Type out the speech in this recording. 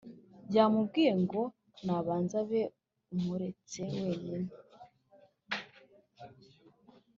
yamubwiye ngo nabanze abe amuretse wenyine